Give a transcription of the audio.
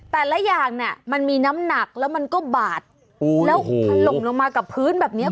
แต่ละอย่างเนี่ยมันมีน้ำหนักแล้วมันก็บาดแล้วถล่มลงมากับพื้นแบบเนี้ย